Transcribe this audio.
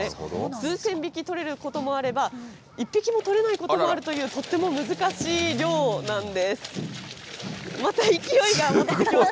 数千匹取れることもあれば、一匹も取れないことあるという、とっても難しい漁なんです。